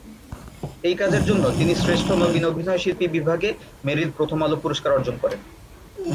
এই কাজের জন্য তিনি শ্রেষ্ঠ নবীন অভিনয়শিল্পী বিভাগে মেরিল-প্রথম আলো পুরস্কার অর্জন করেন।